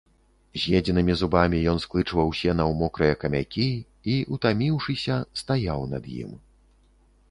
З'едзенымі зубамі ён склычваў сена ў мокрыя камякі і, утаміўшыся, стаяў над ім.